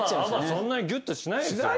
そんなにギュッとしない。